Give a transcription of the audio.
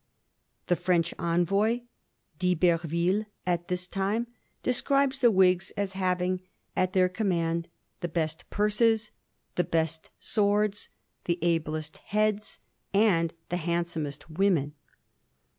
The French envoy, D'Iberville, at this time describes the Whigs as having at their command the best purses, the best swords, the ablest heads, and the handsomest women.